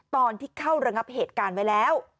ตอนที่เข้าระงับเหตุการณ์ไว้แล้ว